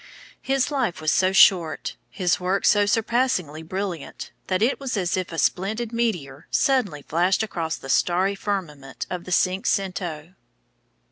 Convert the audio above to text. His life was so short, his work so surpassingly brilliant, that it was as if a splendid meteor suddenly flashed across the starry firmament of the Cinque Cento.